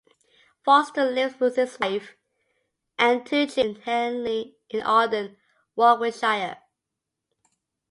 Foster lives with his wife and two children in Henley-in-Arden, Warwickshire.